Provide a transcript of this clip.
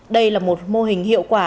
đây là một mô hình hiệu quả